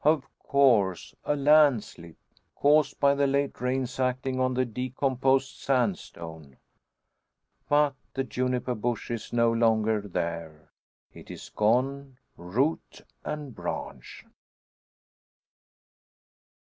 Of course, a landslip, caused by the late rains acting on the decomposed sandstone. But the juniper bush is no longer there; it is gone, root and branch!